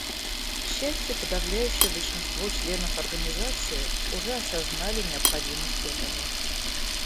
К счастью, подавляющее большинство членов Организации уже осознали необходимость этого.